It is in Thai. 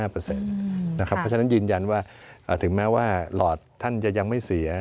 เพราะฉะนั้นยืนยันว่าถึงแม้ว่าหลอดท่านจะยังไม่เสีย